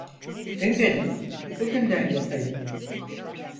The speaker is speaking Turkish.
Emredin bugünden yatayım.